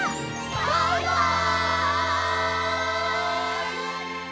バイバイ！